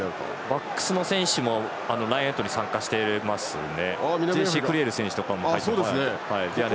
バックスの選手もラインアウトに参加してますね。